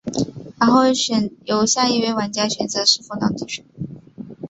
然后由下一位玩家选择是否当地主。